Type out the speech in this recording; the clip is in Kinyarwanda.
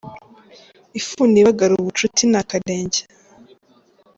Ifuni ibagara ubucuti ni akarenge.